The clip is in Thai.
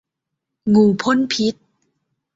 งูพ่นพิษ